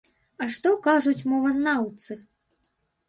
А што кажуць мовазнаўцы?